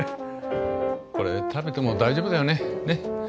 これ食べても大丈夫だよね？